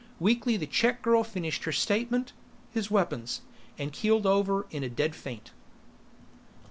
Weakly, the check girl finished her statement, "...His weapons!" and keeled over in a dead faint.